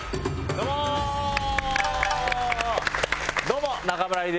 どうも中村ひでゆきです。